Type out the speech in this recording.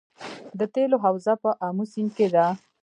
د تیلو حوزه په امو سیند کې ده